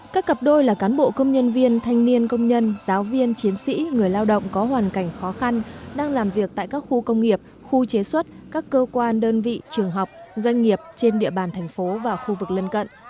các cặp đôi là cán bộ công nhân viên thanh niên công nhân giáo viên chiến sĩ người lao động có hoàn cảnh khó khăn đang làm việc tại các khu công nghiệp khu chế xuất các cơ quan đơn vị trường học doanh nghiệp trên địa bàn thành phố và khu vực lân cận